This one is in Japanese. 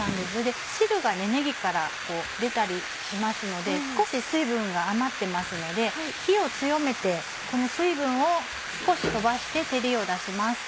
汁がねぎから出たりしますので少し水分が余ってますので火を強めてこの水分を少し飛ばして照りを出します。